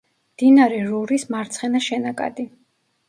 მდინარე რურის მარცხენა შენაკადი.